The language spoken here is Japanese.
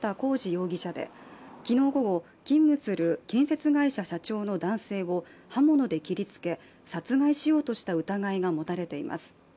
容疑者で昨日午後、勤務する建設会社社長の男性を刃物で切りつけ殺害しようとした疑いが持たれています。